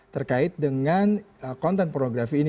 terkait dengan konten pornografi ini